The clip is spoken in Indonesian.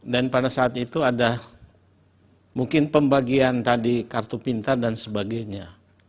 dan pada saat itu ada mungkin pembagian tadi kartu pintar dan sebagainya